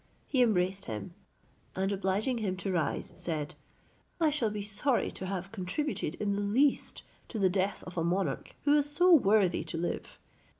He embraced him, and obliging him to rise, said, "I shall be sorry to have contributed in the least to the death of a monarch who is so worthy to live.